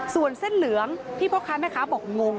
ส่วนเส้นเหลืองที่พ่อค้าแม่ค้าบอกงง